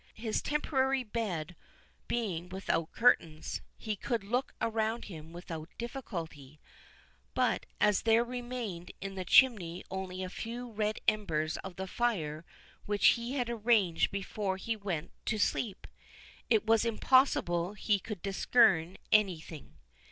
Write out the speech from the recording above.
His temporary bed being without curtains, he could look around him without difficulty; but as there remained in the chimney only a few red embers of the fire which he had arranged before he went to sleep, it was impossible he could discern any thing.